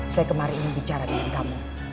saya kemarin ingin bicara dengan kamu